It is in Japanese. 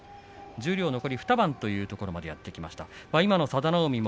十両残り２番というところまできました。